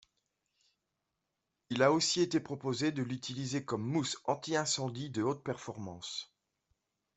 Il a aussi été proposé de l'utiliser comme mousse anti-incendie de haute performance.